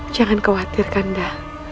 jangan khawatir kanda